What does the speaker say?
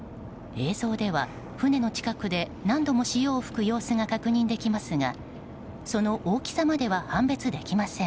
映像では船の近くで何度も潮を吹く様子が確認できますがその大きさまでは判別できません。